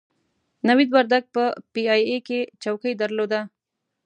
نوید وردګ په پي ای اې کې چوکۍ درلوده.